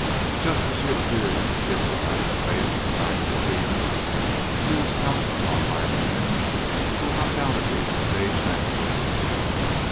Just as she appeared in the dimly lighted space back of the scenes, she was pounced upon by a man who was undoubtedly the stage manager.